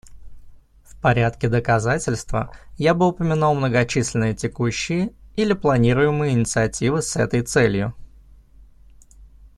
В порядке доказательства я бы упомянул многочисленные текущие или планируемые инициативы с этой целью.